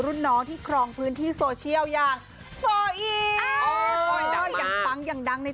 รุ่นน้องที่ครองพื้นที่โซเชียลอย่างอย่างฟังอย่างดังใน